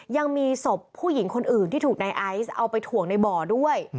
ยังมีศพผู้หญิงคนอื่นที่ถูกนายไอซ์เอาไปถ่วงในบ่อด้วย